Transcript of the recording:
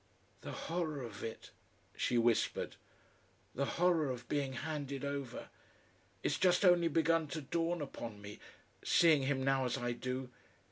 "The horror of it," she whispered. "The horror of being handed over. It's just only begun to dawn upon me, seeing him now as I do.